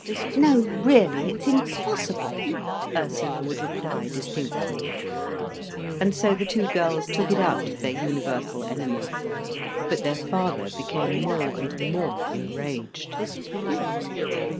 "No, really, it's impossible!" Ursula would reply distinctly. And so the two girls took it out of their universal enemy. But their father became more and more enraged.